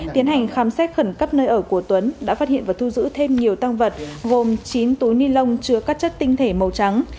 tiến hành khám xét khẩn cấp nơi ở của tuấn đã phát hiện và thu giữ thêm nhiều tăng vật gồm chín túi ni lông chứa các chất tinh thể màu trắng